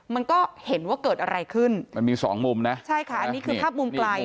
มันก็เห็นว่าเกิดอะไรขึ้นมันมีสองมุมนะใช่ค่ะอันนี้คือภาพมุมไกล